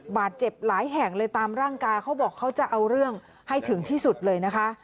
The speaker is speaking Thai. บาดเจ็บหลายแห่งเลยตามร่างกายเขาบอกเขาจะเอาเรื่องให้ถึงที่สุดเลยนะคะ